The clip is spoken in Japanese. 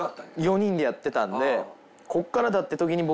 ４人でやってたんで。